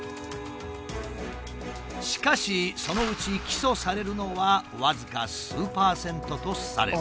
しかしそのうち起訴されるのは僅か数％とされる。